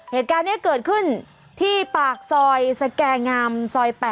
เหตุการณ์นี้เกิดขึ้นที่ปากซอยสแก่งามซอย๘